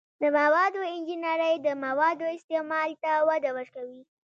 د موادو انجنیری د موادو استعمال ته وده ورکوي.